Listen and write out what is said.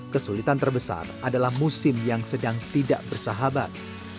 kesulitan terbesar adalah musim yang sedang tidak bersahabat